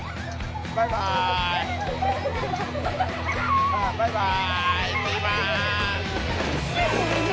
バイバーイ。